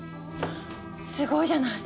すごいじゃない！